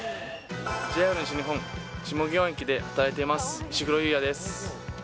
ＪＲ西日本、下祇園駅で働いています、石黒佑弥です。